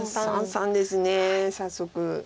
三々です早速。